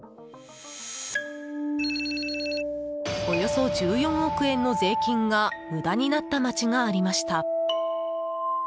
およそ１４億円の税金が無駄になった町がありました。